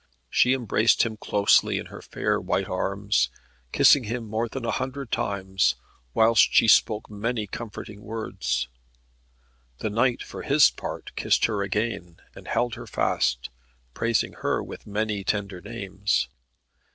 She embraced him closely in her fair white arms, kissing him more than a hundred times, whilst she spoke many comforting words. The knight for his part kissed her again, and held her fast, praising her with many tender names.